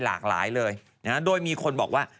หลากหลายเลยนะฮะโดยมีคนบอกว่า